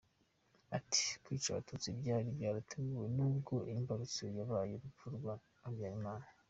Ati “Kwica Abatutsi byari byarateguwe n’ubwo imbarutso yabaye urupfu rwa Habyarimana.